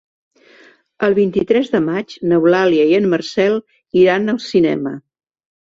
El vint-i-tres de maig n'Eulàlia i en Marcel iran al cinema.